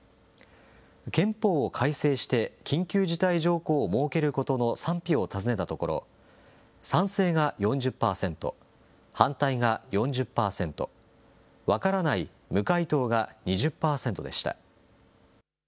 憲法を改正して、緊急事態条項を設けることの賛否を尋ねたところ、賛成が４０％、反対が４０％、分からない、無回答が２０％でした。